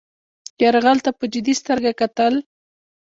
یرغل ته په جدي سترګه کتل.